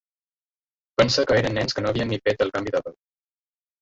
Pensa que eren nens que no havien ni fet el canvi de veu.